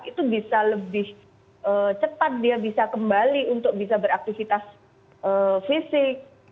itu bisa lebih cepat dia bisa kembali untuk bisa beraktivitas fisik